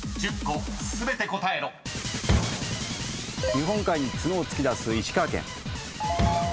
日本海につのをつき出す石川県。